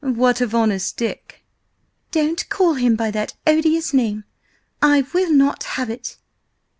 "What of Honest Dick?" "Don't call him by that odious name! I will not have it!"